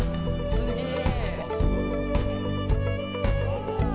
すげえ。